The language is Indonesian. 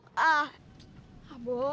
dia juga naik mobil mewah